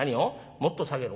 もっと下げろ？